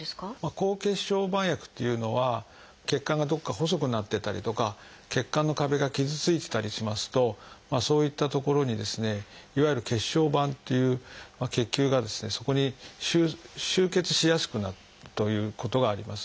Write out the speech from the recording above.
抗血小板薬というのは血管がどこか細くなってたりとか血管の壁が傷ついてたりしますとそういった所にですねいわゆる血小板っていう血球がですねそこに集結しやすくなるということがあります。